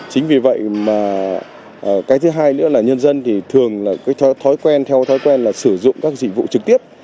chính vì vậy mà cái thứ hai nữa là nhân dân thì thường là cái thói quen theo thói quen là sử dụng các dịch vụ trực tiếp